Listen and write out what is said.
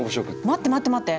待って待って待って。